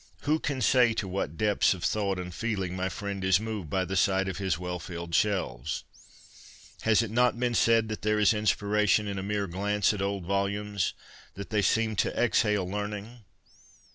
Who can say to what depths of thought and feeling my friend is moved by the sight of his well filled shelves ? Has it not been said that there is in spiration in a mere glance at old volumes ; that they seem to exhale learning